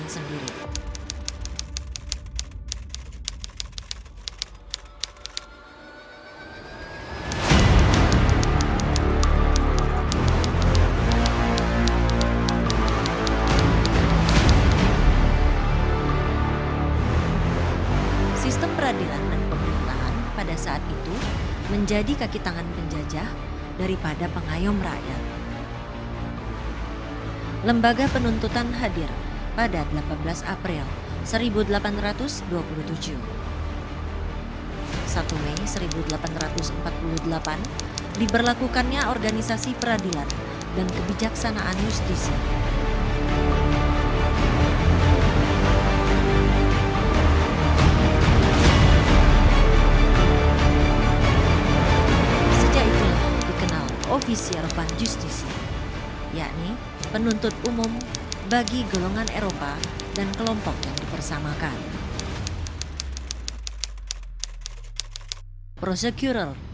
sistem peradilan dan pemerintahan pada saat itu